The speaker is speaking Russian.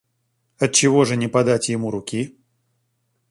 Отчего же не подать ему руки?